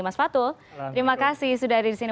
mas fatul terima kasih sudah ada di sini